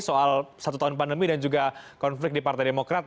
soal satu tahun pandemi dan juga konflik di partai demokrat